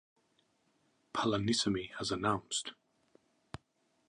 Palanisamy has announced.